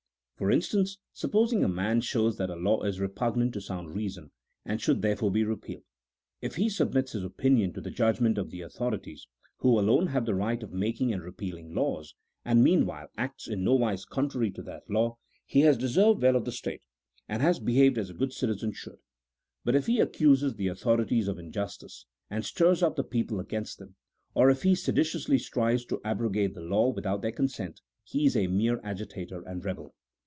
For instance, supposing a man shows that a Jaw is re pugnant to sound reason, and should therefore be repealed ; if he submits Ins opinion to the judgment of the authorities (who, alone, have the right of making and repealing laws), and meanwhile acts in nowise contrary to that law, he has deserved well of the state, and has behaved as a good citizen should ; but if he accuses the authorities of injustice, and stirs up the people against them, or if he seditiously strives to abrogate the law without their consent, he is a mere agitator and rebel.